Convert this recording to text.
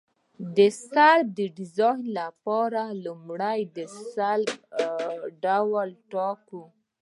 د سلب د ډیزاین لپاره لومړی د سلب ډول ټاکو